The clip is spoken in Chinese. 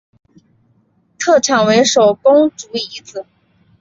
特产为手工猪胰子。